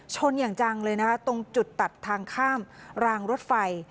ชนอย่างจังเลยนะคะตรงจุดตัดทางข้ามรางรถไฟ